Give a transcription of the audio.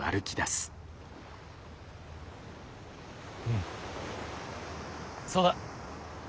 うんそうだ。